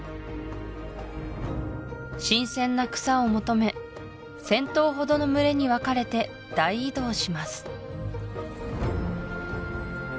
新鮮な草を求め１０００頭ほどの群れに分かれて大移動します